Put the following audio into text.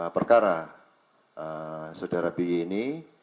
perkara saudara bi ini